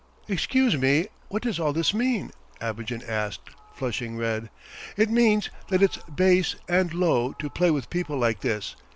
"Excuse me, what does all this mean?" Abogin asked, flushing red. "It means that it's base and low to play with people like this!